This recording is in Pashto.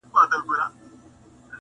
زه ورته تړلې په خپل سر نه ووم